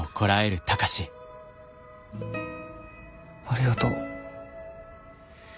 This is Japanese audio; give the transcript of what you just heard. ありがとう。